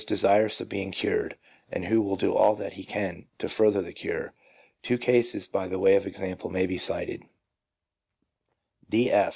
desirous of being cured, and who will do all that he can to further the cure. Two cases by way of example may be cited :— D. F.